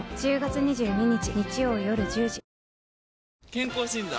健康診断？